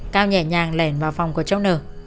cao nhẹ nhàng lèn vào phòng của cháu n